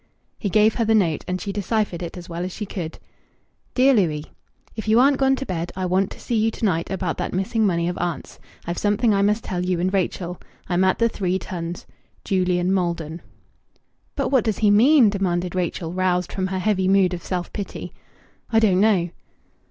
He gave her the note, and she deciphered it as well as she could DEAR Louis, If you aren't gone to bed I want to see you to night about that missing money of aunt's. I've something I must tell you and Rachel. I'm at the "Three Tuns." JULIAN MALDON. "But what does he mean?" demanded Rachel, roused from her heavy mood of self pity. "I don't know."